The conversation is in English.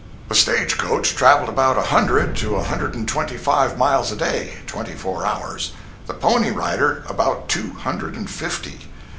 The stage coach traveled about a hundred to a hundred and twenty five miles a day (twenty four hours), the pony rider about two hundred and fifty.